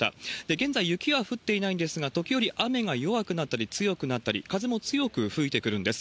現在、雪は降っていないんですが、時折雨が弱くなったり、強くなったり、風も強く吹いてくるんです。